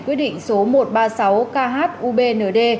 quyết định số một trăm ba mươi sáu kh ubnd